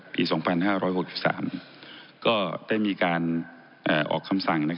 ปี๒๕๖๓ก็ได้มีการออกคำสั่ง